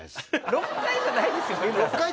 ６回じゃないよね？